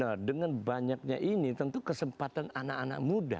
nah dengan banyaknya ini tentu kesempatan anak anak muda